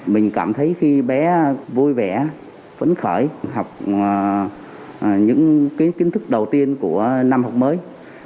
mình cảm thấy khi bé vui vẻ phấn khởi học những cái kiến thức đầu tiên của năm học mới